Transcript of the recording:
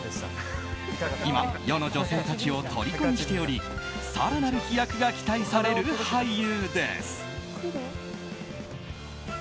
今、世の女性たちを虜にしており更なる飛躍が期待される俳優です。